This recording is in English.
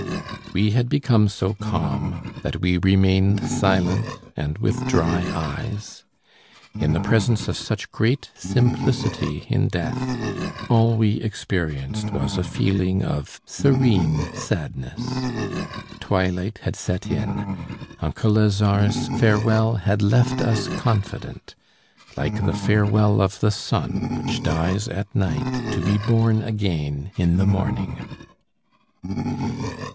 We had become so calm that we remained silent and with dry eyes. In the presence of such great simplicity in death, all we experienced was a feeling of serene sadness. Twilight had set in, uncle Lazare's farewell had left us confident, like the farewell of the sun which dies at night to be born again in the morning.